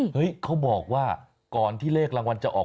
เขาบอกว่าก่อนที่เลขรางวัลจะออก